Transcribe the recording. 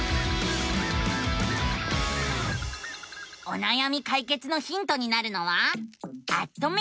おなやみ解決のヒントになるのは「アッ！とメディア」。